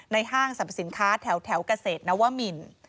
ห้างสรรพสินค้าแถวเกษตรนวมิน